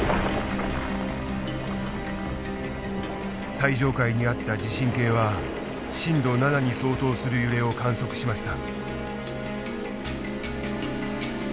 最上階にあった地震計は震度７に相当する揺れを観測しました。